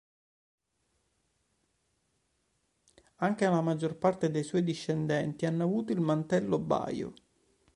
Anche la maggior parte dei suoi discendenti hanno avuto il mantello baio.